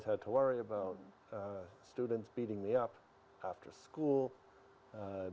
jadi kamu sudah berbicara ketika umur delapan belas bulan